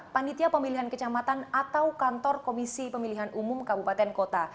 panitia pemilihan kecamatan atau kantor komisi pemilihan umum kabupaten kota